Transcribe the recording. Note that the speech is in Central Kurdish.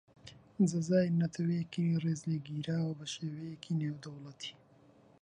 جەزائیر نەتەوەیەکی ڕێز لێگیراوە بەشێوەیەکی نێودەوڵەتی.